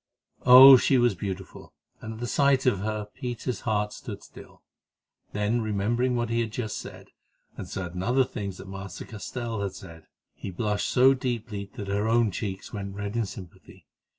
Oh! she was beautiful, and at the sight of her Peter's heart stood still. Then, remembering what he had just said, and certain other things that Master Castell had said, he blushed so deeply that her own cheeks went red in sympathy.